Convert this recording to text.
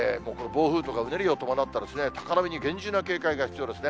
もうこれ、暴風とかうねりを伴った高波に厳重な警戒が必要ですね。